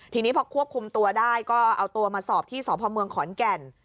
ทีนี้พอควบคุมตัวได้ก็เอาตัวมาสอบที่สพเมืองขอนแก่น